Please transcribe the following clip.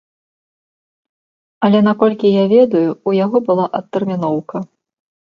Але, наколькі я ведаю, у яго была адтэрміноўка.